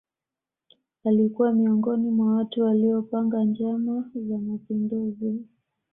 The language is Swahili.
Alikuwa miongoni mwa watu waliopanga njama za mapinduzi